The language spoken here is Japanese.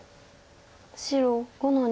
白５の二。